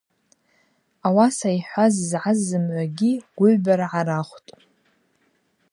Ауаса йхӏваз згӏаз зымгӏвагьи гвыгӏвбара гӏарахвтӏ.